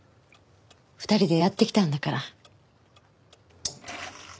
２人でやってきたんだから。